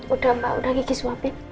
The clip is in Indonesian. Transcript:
udah mbak udah gigi suapin